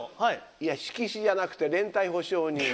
いや色紙じゃなくて連帯保証人の。